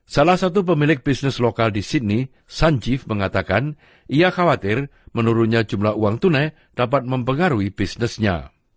salah satu pemilik bisnis lokal di sydney sanjeev mengatakan ia khawatir menurunnya jumlah uang tunai dapat mempengaruhi bisnisnya